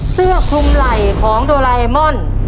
เสื้อคุมไหล่ของโดราเอมอน